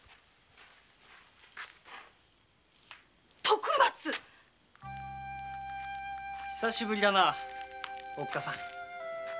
徳松久しぶりだなおっかさん。